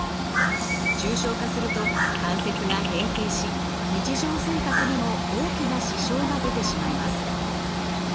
重症化すると関節が変形し日常生活にも大きな支障が出てしまいます。